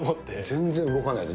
全然動かないの？